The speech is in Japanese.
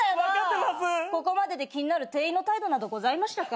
ここまでで気になる店員の態度などございましたか？